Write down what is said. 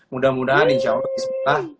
mudah mudahan insya allah bismillah